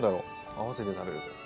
合わせて食べると。